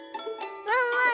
ワンワン